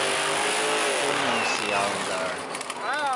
Ponham-se a andar